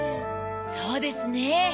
そうですね。